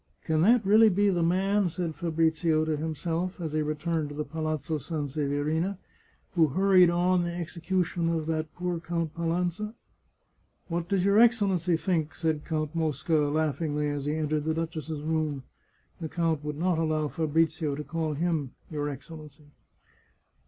" Can that really be the man," said Fabrizio to himself, as he returned to the Palazzo Sanseverina, " who hurried on the execution of that poor Count Palanza ?"" What does your Excellency think ?" said Count Mosca laughingly, as he entered the duchess's room. (The count would not allow Fabrizio to call him " your Excel lency.")